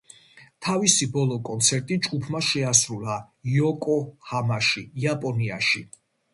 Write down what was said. თავისი ბოლო კონცერტი ჯგუფმა შეასრულა იოკოჰამაში, იაპონიაში.